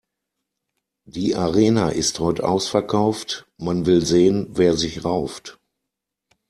Die Arena ist heut' ausverkauft, man will sehen, wer sich rauft.